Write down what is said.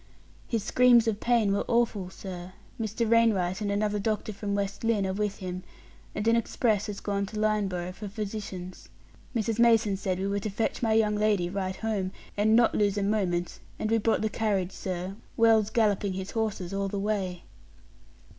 "His screams of pain were awful, sir. Mr. Wainwright and another doctor from West Lynne are with him, and an express has gone to Lynneboro' for physicians. Mrs. Mason said we were to fetch my young lady right home, and not lose a moment; and we brought the carriage, sir, Wells galloping his horses all the way."